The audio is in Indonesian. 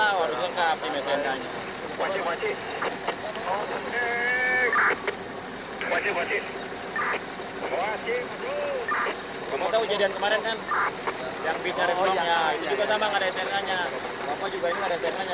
harus lengkap si mesin kanya